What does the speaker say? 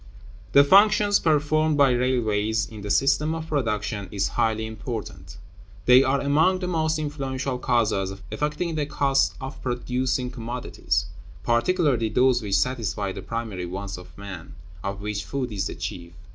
The functions performed by railways in the system of production is highly important. They are among the most influential causes affecting the cost of producing commodities, particularly those which satisfy the primary wants of man, of which food is the chief.